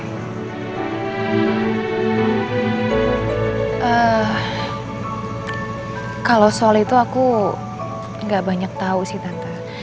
kalau soal itu aku gak banyak tahu sih tante